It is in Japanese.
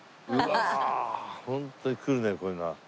ホントにくるねこういうのは。